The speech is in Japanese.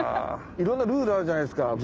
いろんなルールあるじゃないですか。